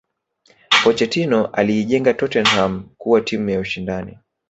pochetino aliijenga tottenham kuwa timu ya ushindani